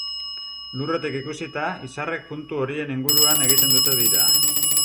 Lurretik ikusita, izarrek puntu horien inguruan egiten dute bira.